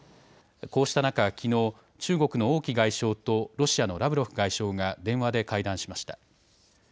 こうした中、きのう、中国の王毅外相とロシアのラブロフ外相が電話で会談しました。